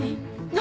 何？